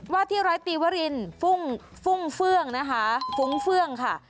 ว่าที่ร้อยตีวรินฟุ่งฟุ้งเฟื่องนะคะฟุ้งเฟื่องค่ะ